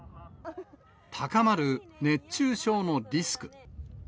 高まる熱中症のリスク。